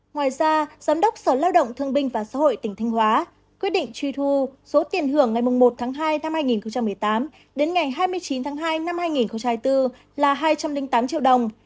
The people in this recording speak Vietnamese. ngoài ra giám đốc sở lao động thương binh và xã hội tỉnh thanh hóa quyết định truy thu số tiền hưởng ngày một tháng hai năm hai nghìn một mươi tám đến ngày hai mươi chín tháng hai năm hai nghìn hai mươi bốn là hai trăm linh tám triệu đồng